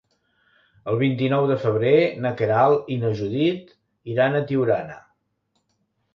El vint-i-nou de febrer na Queralt i na Judit iran a Tiurana.